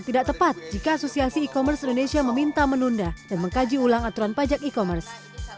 tidak tepat jika asosiasi e commerce indonesia meminta menunda dan mengkaji ulang aturan pajak e commerce